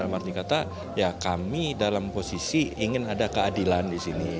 maksudnya kami dalam posisi ingin ada keadilan di sini